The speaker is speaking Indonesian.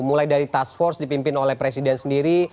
mulai dari task force dipimpin oleh presiden sendiri